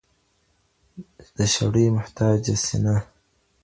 د شړۍ مهتاجه سينه